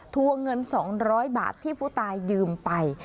วงเงิน๒๐๐บาทที่ผู้ตายยืมไป